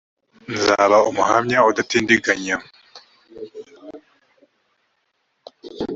ml nzaba umuhamya udatindiganya